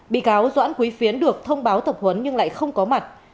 bị cáo doãn quý phiến được thông báo tập huấn nhưng lại không có mặt